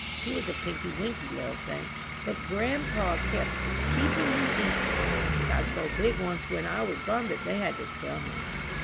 He was a pinky winky little thing, but grandpa kept a keepin' him eatin', and he got so big once when I was gone that they had to kill him.